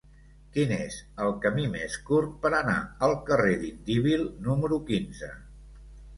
Quin és el camí més curt per anar al carrer d'Indíbil número quinze?